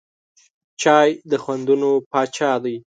چای د خوندونو پاچا دی.